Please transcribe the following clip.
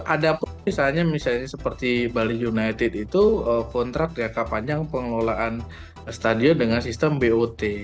ada pun misalnya seperti bali united itu kontrak jangka panjang pengelolaan stadion dengan sistem bot